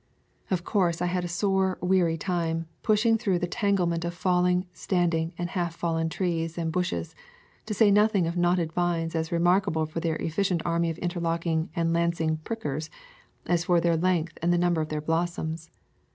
Of course I had a sore weary time, pushing through the tanglement of falling, standing, and half fallen trees and bushes, to say nothing of knotted vines as remarkable for their efficient army of interlocking and lancing prickers as for their length and the number of their blossoms.